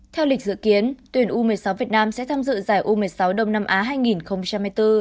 theo lịch dự kiến tuyển u một mươi sáu việt nam sẽ tham dự giải u một mươi sáu đông nam á hai nghìn hai mươi bốn